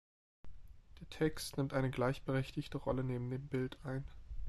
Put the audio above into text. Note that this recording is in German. Der Text nimmt eine gleichberechtigte Rolle neben dem Bild ein.